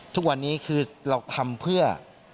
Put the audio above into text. ทุกวันนี้คือเราทำเพื่อ